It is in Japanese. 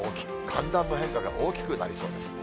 寒暖の変化が大きくなりそうです。